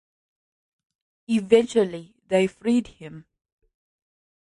Eventually they freed him.